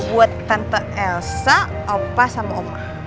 buat tante elsa opa sama opa